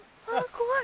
怖い。